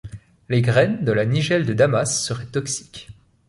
Les graines de la nigelle de Damas seraient toxiques.